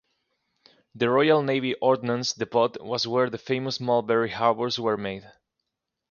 The Royal Navy Ordnance Depot was where the famous Mulberry harbours were made.